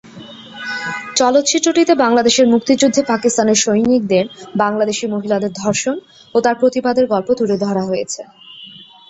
চলচ্চিত্রটিতে বাংলাদেশের মুক্তিযুদ্ধে পাকিস্তানের সৈনিকদের বাংলাদেশি মহিলাদের ধর্ষণ ও তার প্রতিবাদের গল্প তুলে ধরা হয়েছে।